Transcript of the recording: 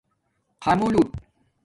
خَمُلوٹ